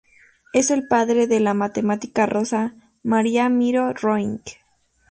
Es el padre de la matemática Rosa Maria Miró Roig.